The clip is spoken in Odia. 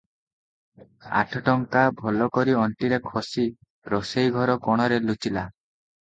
ଆଠ ଟଙ୍କା ଭଲ କରି ଅଣ୍ଟିରେ ଖୋଷି ରୋଷେଇ ଘର କୋଣରେ ଲୁଚିଲା ।